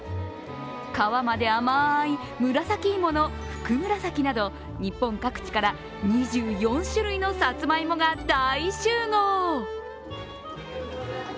皮まで甘い紫芋のふくむらさきなど、日本各地から２４種類のさつまいもが大集合。